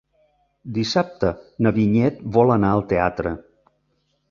Dissabte na Vinyet vol anar al teatre.